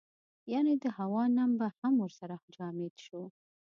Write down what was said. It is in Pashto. یعنې د هوا نم به هم ورسره جامد شو.